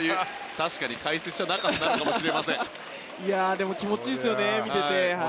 確かに解説者泣かせなのかもしれません。でも見てて気持ちいいですよね。